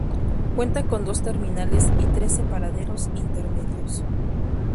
Cuenta con dos terminales y trece paraderos intermedios.